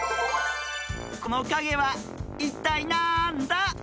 このかげはいったいなんだ？